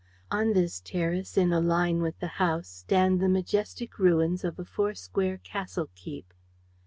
On this terrace, in a line with the house, stand the majestic ruins of a four square castle keep.